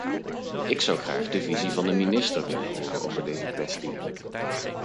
Ik zou graag de visie van de minister willen horen over deze kwestie.